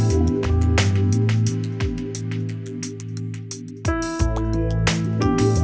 สู่ที่ที่ที่จะเรียก